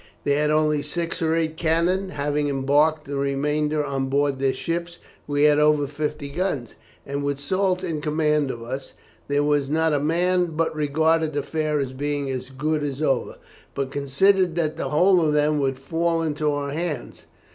They had only six or eight cannon, having embarked the remainder on board their ships; we had over fifty guns; and with Soult in command of us, there was not a man but regarded the affair as being as good as over, and considered that the whole of them would fall into our hands.